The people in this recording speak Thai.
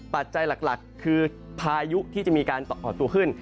ปัจจัยหลักคือพายุที่จะมีการอ่อนตัวขึ้น